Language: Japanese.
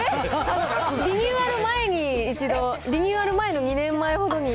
リニューアル前に、一度、リニューアル前の２年前ほどに。